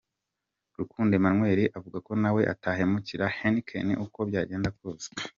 Rukundo Emmanuel avuga ko nawe atahemukira Heineken uko byagenda kose.